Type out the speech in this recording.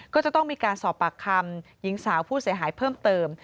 ก็จะต้องมีการสอบปากคำหญิงสาวผู้เสียหายเพิ่มเติม